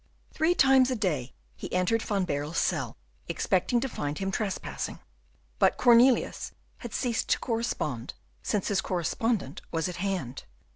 Three times a day he entered Van Baerle's cell, expecting to find him trespassing; but Cornelius had ceased to correspond, since his correspondent was at hand.